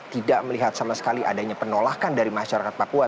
tidak melihat sama sekali adanya penolakan dari masyarakat papua